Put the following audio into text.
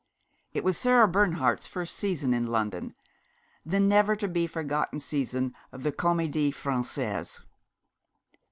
It was Sarah Bernhardt's first season in London the never to be forgotten season of the Comédie Française.